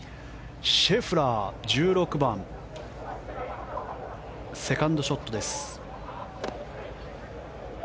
シェフラー１６番、セカンドショットです。